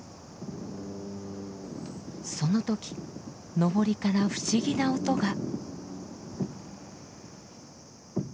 その時幟から不思議な音が。